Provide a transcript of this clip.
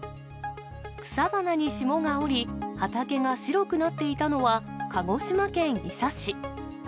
草花に霜が降り、畑が白くなっていたのは、鹿児島県伊佐市。